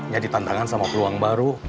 jadi tantangan sama peluang baru